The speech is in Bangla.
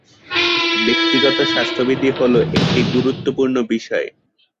ব্যক্তিগত স্বাস্থ্যবিধি হল একটি গুরুত্বপূর্ণ বিষয়।